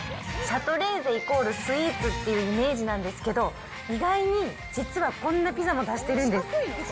シャトレーゼイコールスイーツっていうイメージなんですけど、意外に実はこんなピザも出してるんです。